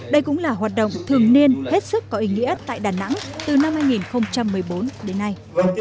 đây cũng là hoạt động thường niên hết sức có ý nghĩa tại đà nẵng từ năm hai nghìn một mươi bốn đến nay